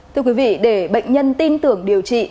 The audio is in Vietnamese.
thưa quý vị để bệnh nhân tin tưởng điều trị